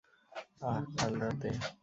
আহ, কাল রাতে?